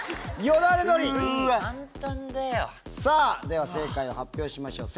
では正解を発表しましょう。